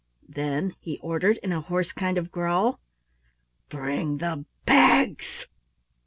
Then he ordered in a hoarse kind of growl: "Bring the bags."